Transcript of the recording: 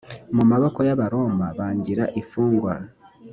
mu maboko y abaroma b bangira imfungwa